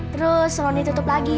terus roni tutup lagi